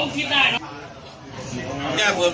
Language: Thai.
ช่วยคุณ